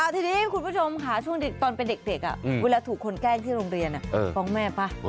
ทีนี้คุณผู้ชมค่ะช่วงตอนเป็นเด็กเวลาถูกคนแกล้งที่โรงเรียนฟ้องแม่ป่ะ